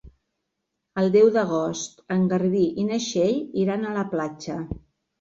El deu d'agost en Garbí i na Txell iran a la platja.